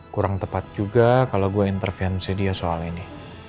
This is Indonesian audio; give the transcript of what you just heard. kurang tepat juga kalau gue intervensi dia soal ini